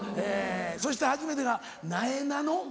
そして初めてが「なえなの」？